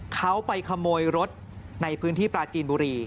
เขาไปขโมยรถในพื้นที่ปลาจีนบุรี